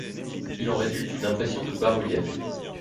Il en résulte une impression de bas-relief.